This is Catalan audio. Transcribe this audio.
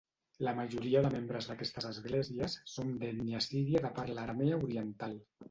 La majoria de membres d’aquestes esglésies són d’ètnia assíria de parla aramea oriental.